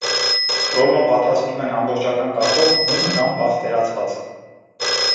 Ռոլլոն պատրաստում են ամբողջական կաթով, հում կամ պաստերացված։